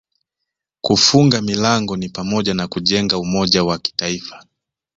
kufunga milango ni pamoja na kujenga umoja wa kitaifa